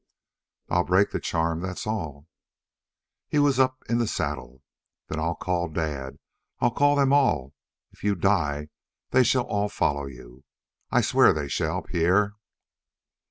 "I'll break the charm, that's all." He was up in the saddle. "Then I'll call dad I'll call them all if you die they shall all follow you. I swear they shall. Pierre!"